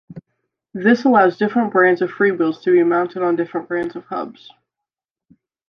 This allows different brands of freewheels to be mounted on different brands of hubs.